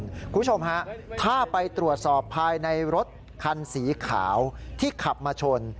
คุณผู้ชมฮะถ้าไปตรวจสอบภายในรถคันสีขาวที่ขับมาชน